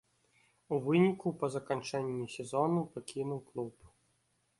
У выніку па заканчэнні сезону пакінуў клуб.